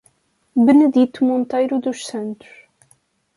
Benedito Monteiro dos Santos